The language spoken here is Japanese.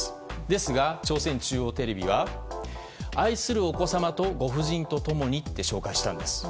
ですが、朝鮮中央テレビは愛するお子様とご夫人と共にって紹介したんです。